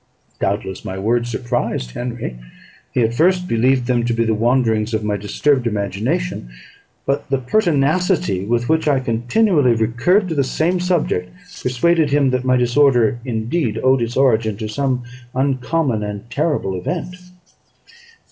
Doubtless my words surprised Henry: he at first believed them to be the wanderings of my disturbed imagination; but the pertinacity with which I continually recurred to the same subject, persuaded him that my disorder indeed owed its origin to some uncommon and terrible event.